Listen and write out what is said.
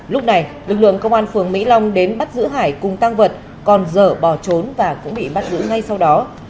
lúc này lực lượng công an phường mỹ long đến bắt giữ hải cùng tăng vật còn dở bỏ trốn và cũng bị bắt giữ ngay sau đó